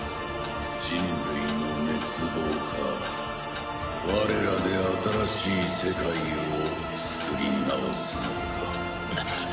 人類の滅亡か我らで新しい世界をつくり直すのか。